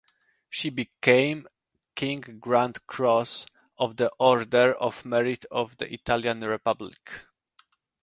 She became Knight Grand Cross of the Order of Merit of the Italian Republic.